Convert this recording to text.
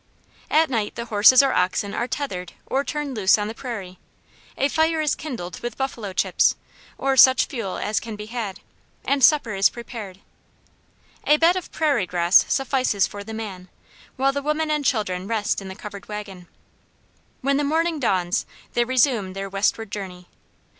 At night the horses or oxen are tethered or turned loose on the prairie; a fire is kindled with buffalo chips, or such fuel as can be had, and supper is prepared. A bed of prairie grass suffices for the man, while the women and children rest in the covered wagon. When the morning dawns they resume their Westward journey.